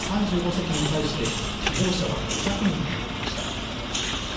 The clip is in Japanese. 席に対して希望者は５００人に上りました。